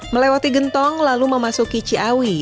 melewati gentong lalu memasuki ciawi